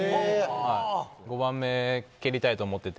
５番目、蹴りたいと思ってて。